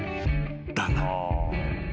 だが］